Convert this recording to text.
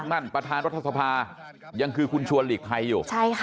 นั่นประธานรัฐสภายังคือคุณชวนหลีกภัยอยู่